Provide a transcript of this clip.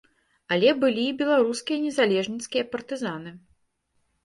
Але былі і беларускія незалежніцкія партызаны.